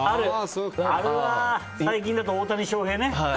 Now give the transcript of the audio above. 最近だと大谷翔平ね。